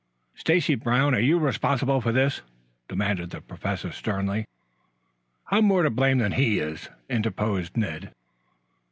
"Stacy Brown, are you responsible for this?" demanded the Professor sternly. "I'm more to blame than he is," interposed Ned.